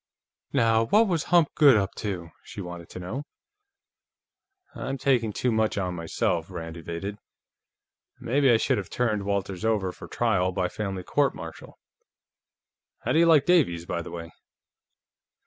"Now what was Hump Goode up to?" she wanted to know. "I'm taking too much on myself," Rand evaded. "Maybe I should have turned Walters over for trial by family court martial. How do you like Davies, by the way?"